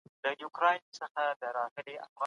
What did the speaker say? دولت د نوو ټیکنالوژیو ملاتړ کوي.